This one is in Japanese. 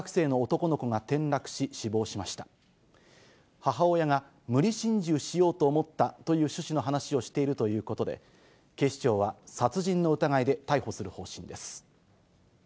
母親が無理心中しようと思ったという趣旨の話をしているということで、警視庁は殺人の疑いで逮捕する方針です。